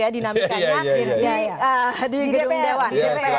dinamikannya di gedung dewan